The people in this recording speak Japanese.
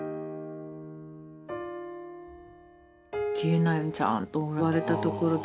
消えないようにちゃんと割れたところでね。